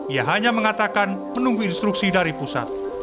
ia hanya mengatakan menunggu instruksi dari pusat